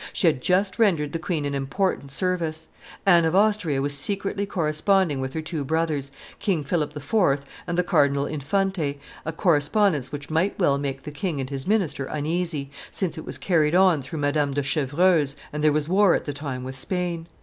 She had just rendered the queen an important service. Anne of Austria was secretly corresponding with her two brothers, King Philip IV. and the Cardinal Infante, a correspondence which might well make the king and his minister uneasy, since it was carried on through Madame de Chevreuse, and there was war at the time with Spain.